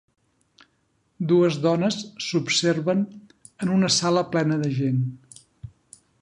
Dues dones s'observen en una sala plena de gent.